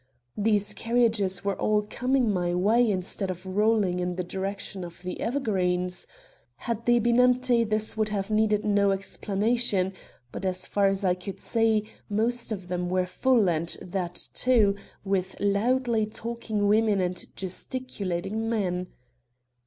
These carriages were all coming my way instead of rolling in the direction of The Evergreens. Had they been empty this would have needed no explanation, but, as far as I could see, most of them were full, and that, too, with loudly talking women and gesticulating men.